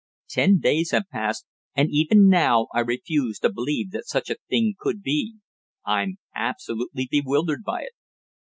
Ten days have passed, and even now I refuse to believe that such a thing could be. I'm absolutely bewildered by it."